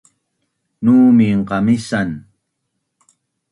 Numin qamisan